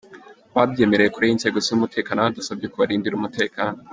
Ababyemereye kure y’inzego z’umutekano badusabye kubarindira umutekano.